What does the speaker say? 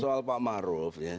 soal pak maruf ya